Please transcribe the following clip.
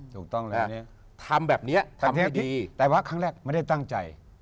ถูกต้องแล้วทำแบบนี้ทำให้ดีแต่ว่าครั้งแรกไม่ได้ตั้งใจ